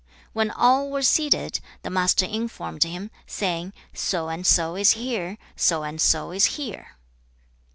When all were seated, the Master informed him, saying, 'So and so is here; so and so is here.'